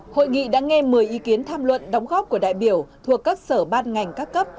hội nghị đã nghe một mươi ý kiến tham luận đóng góp của đại biểu thuộc các sở ban ngành các cấp